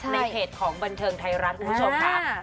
ในเพจของบันเทิงไทยรัฐคุณผู้ชมค่ะ